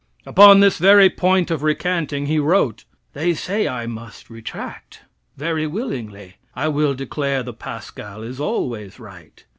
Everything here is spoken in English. Upon this very point of recanting, he wrote: "They say I must retract. Very willingly. I will declare the Pascal is always right.